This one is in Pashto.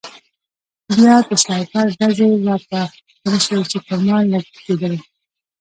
بیا د سنایپر ډزې را په زړه شوې چې پر ما کېدلې